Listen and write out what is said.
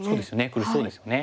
苦しそうですよね。